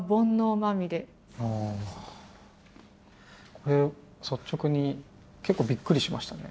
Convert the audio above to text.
これ率直に結構びっくりしましたね。